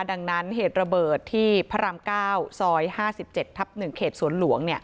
ดังนั้นเหตุระเบิดที่พระราม๙ซอย๕๗ทับ๑เขตสวนหลวง